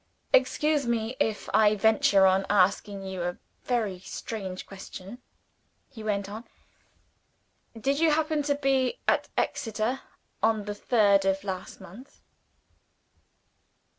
"Excuse me, if I venture on asking you a very strange question," he went on. "Did you happen to be at Exeter, on the third of last month?"